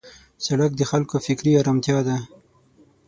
سړک د خلکو فکري آرامتیا ده.